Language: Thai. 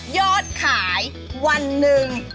ยอดขายวันหนึ่ง